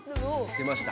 出ました。